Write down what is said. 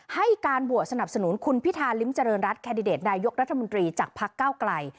ให้การโหวตสนับสนุนคุณพิธาริมเจริญรัฐแคนดิเดตนายกรัฐมนตรีจากพักเก้าไกล